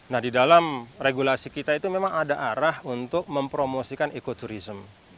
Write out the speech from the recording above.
nah di dalam regulasi kita itu memang ada arah untuk mempromosikan ekoturism